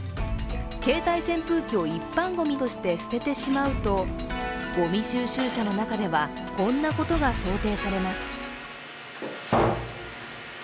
携帯扇風機を一般ごみとして捨ててしまうとごみ収集車の中で、こんなことが想定されます。